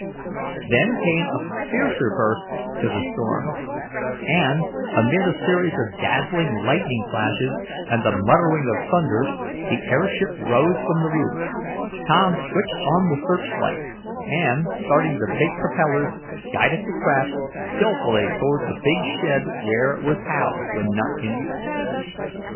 There came a fiercer burst to the storm, and, amid a series of dazzling lightning flashes and the muttering of thunder, the airship rose from the roof. Tom switched on the search light, and, starting the big propellers, guided the craft skillfully toward the big shed where it was housed when not in use.